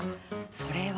それは。